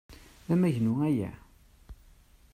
D amagnu aya?